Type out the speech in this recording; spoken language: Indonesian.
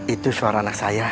itu suara anak saya